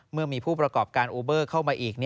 เมื่อมีผู้ประกอบการอูเบอร์เข้ามาอีก